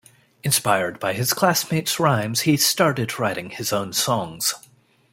Inspired by his classmate's rhymes, he started writing his own songs.